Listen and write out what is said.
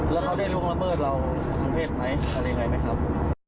แล้วเขาได้ล่วงละเมิดเราทางเพศไหมอะไรยังไงไหมครับ